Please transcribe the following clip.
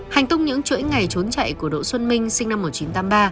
hành tung những chuỗi ngày trốn chạy của đỗ xuân minh sinh năm một nghìn chín trăm tám mươi ba